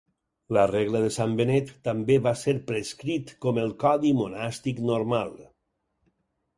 La Regla de Sant Benet també va ser prescrit com el codi monàstic normal.